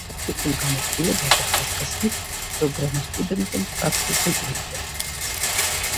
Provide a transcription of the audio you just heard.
პრაქტიკულ გამოცდილებაზე ხაზგასმით, პროგრამა სტუდენტებს პრაქტიკულ უნარებს.